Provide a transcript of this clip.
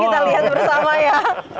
kita lihat bersama ya